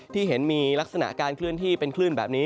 ที่เห็นมีลักษณะการเคลื่อนที่เป็นคลื่นแบบนี้